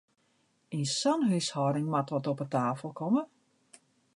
Yn sa'n húshâlding moat wat op 'e tafel komme!